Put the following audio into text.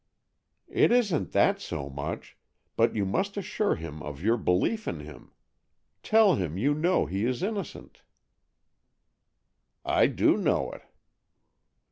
"It isn't that so much, but you must assure him of your belief in him. Tell him you know he is innocent." "I do know it."